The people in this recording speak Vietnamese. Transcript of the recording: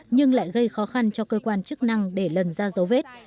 nhưng lại gây khó khăn cho cơ quan chức năng để lần ra dấu vết